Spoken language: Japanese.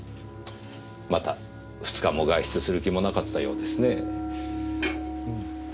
また２日も外出する気もなかったようですね。